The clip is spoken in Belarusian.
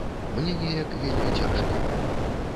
Мне неяк вельмі цяжка.